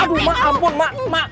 aduh ma ampun ma